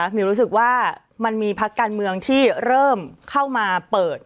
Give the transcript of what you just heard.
มิวรู้สึกว่ามันมีพักการเมืองที่เริ่มเข้ามาเปิด